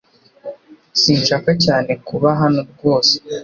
Sinshaka cyane kuba hano rwose